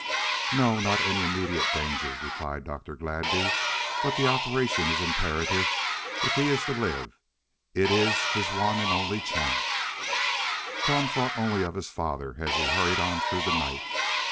"No; not any immediate danger," replied Dr. Gladby. "But the operation is imperative if he is to live. It is his one and only chance." Tom thought only of his father as he hurried on through the night.